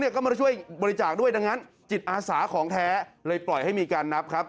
ก็มาช่วยบริจาคด้วยดังนั้นจิตอาสาของแท้เลยปล่อยให้มีการนับครับ